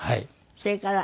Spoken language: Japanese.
それから。